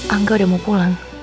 angga udah mau pulang